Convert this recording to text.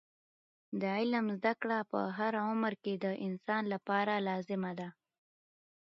د علم زده کړه په هر عمر کې د انسان لپاره لازمه ده.